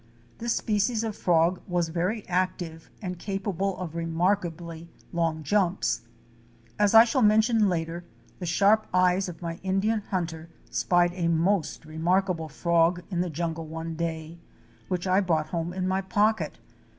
This species of frog was very active and capable of remarkably long jumps. As I shall mention later, the sharp eyes of my Indian hunter spied a most remarkable frog in the jungle one day, which I brought home in my pocket.